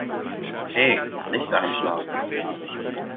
He, nicht einschlafen.